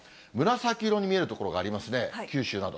紫色に見える所がありますね、九州など。